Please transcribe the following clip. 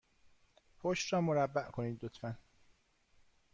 پشت را مربع کنید، لطفا.